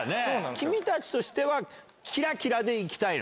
君たちとしては、きらきらでいきたいの？